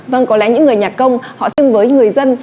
vâng có lẽ những người nhạc công họ xưng với người dân